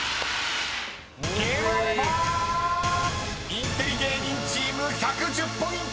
［インテリ芸人チーム１１０ポイント！］